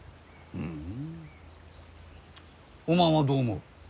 ふんおまんはどう思う？